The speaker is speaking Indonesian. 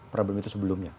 problem itu sebelumnya